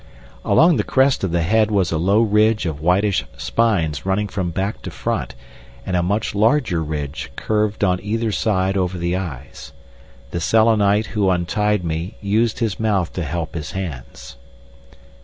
Along the crest of the head was a low ridge of whitish spines running from back to front, and a much larger ridge curved on either side over the eyes. The Selenite who untied me used his mouth to help his hands.